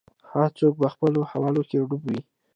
هر څوک به خپلو حولو کي ډوب وي